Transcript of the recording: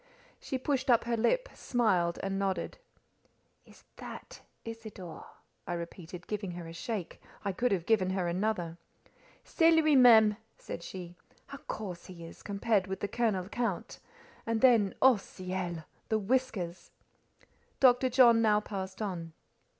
She pushed up her lip, smiled, and nodded. "Is that Isidore?" I repeated, giving her a shake: I could have given her a dozen. "C'est lui même," said she. "How coarse he is, compared with the Colonel Count! And then—oh ciel!—the whiskers!" Dr. John now passed on.